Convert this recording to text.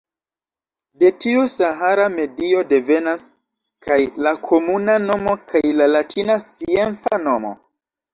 De tiu sahara medio devenas kaj la komuna nomo kaj la latina scienca nomo.